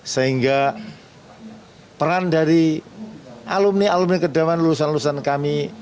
sehingga peran dari alumni alumni kedamaian lulusan lulusan kami